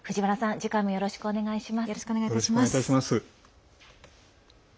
次回もよろしくお願いします。